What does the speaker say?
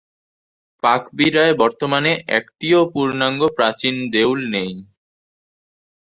পাকবিড়ায় বর্তমানে একটিও পূর্ণাঙ্গ প্রাচীন দেউল নেই।